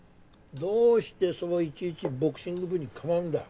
どうしてそういちいちボクシング部に構うんだ。